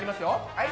はい。